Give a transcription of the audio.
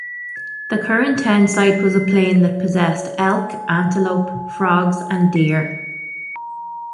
The current town site was a plain that possessed elk, antelope, frogs, and deer.